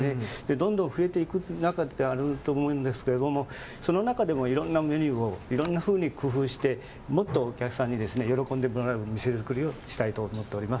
どんどん増えていく中であると思うんですけど、その中でもいろんなメニューをいろんなふうに工夫して、もっとお客さんに喜んでもらえる店作りをしたいと思っております。